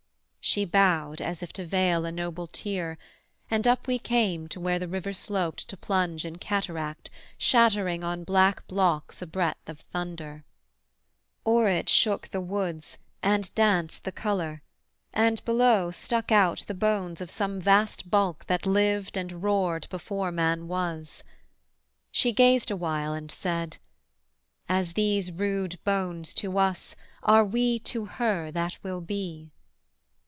She bowed as if to veil a noble tear; And up we came to where the river sloped To plunge in cataract, shattering on black blocks A breadth of thunder. O'er it shook the woods, And danced the colour, and, below, stuck out The bones of some vast bulk that lived and roared Before man was. She gazed awhile and said, 'As these rude bones to us, are we to her That will be.'